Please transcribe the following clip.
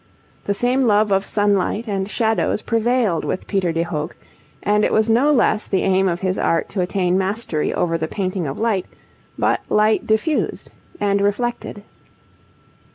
The same love of sunlight and shadows prevailed with Peter de Hoogh, and it was no less the aim of his art to attain mastery over the painting of light, but light diffused and reflected.